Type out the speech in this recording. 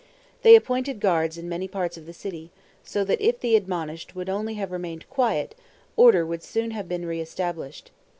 They appointed guards in many parts of the city, so that if the admonished would only have remained quiet, order would soon have been re established.